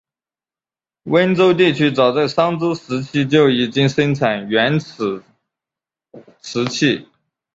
温州地区早在商周时期就已经生产原始瓷器。